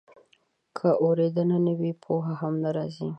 که اورېدنه نه وي، پوهه هم نه راځي.